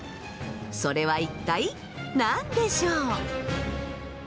それは一体何でしょう？